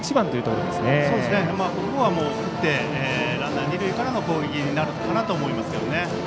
ここは振ってランナー、二塁からの攻撃になるかなと思います。